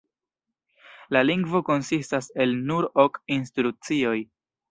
La lingvo konsistas el nur ok instrukcioj.